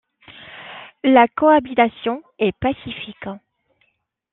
La cohabitation est pacifique.